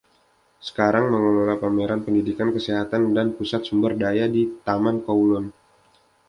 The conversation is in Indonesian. Sekarang mengelola Pameran Pendidikan Kesehatan dan Pusat Sumber Daya di Taman Kowloon.